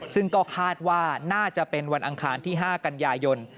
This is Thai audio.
ซึ่งก็คาดว่าน่าจะเป็นวันอังคารที่๕กันยายน